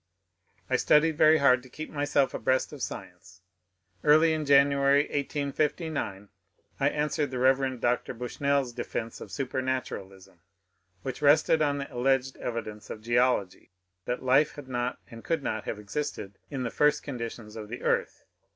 I studied very hard to keep myself abreast of science* Early in January, 1859, 1 answered the Rev. Dr. Bushnell's defence of supematuralism, which rested on the alleged evidence of geology that life had not and could not have existed in the first conditions of the earth.